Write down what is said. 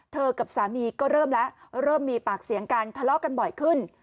กับสามีก็เริ่มแล้วเริ่มมีปากเสียงกันทะเลาะกันบ่อยขึ้น